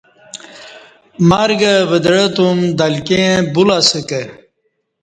مرگہ ودعہ توم دلکیں بولہ اسہ کہ